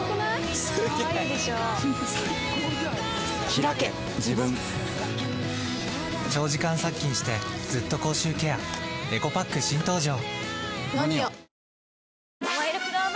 ひらけ自分長時間殺菌してずっと口臭ケアエコパック新登場！